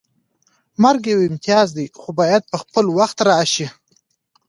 مرګ یو امتیاز دی خو باید په خپل وخت راشي